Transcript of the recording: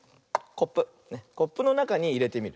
コップのなかにいれてみる。